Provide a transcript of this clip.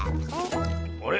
あれ？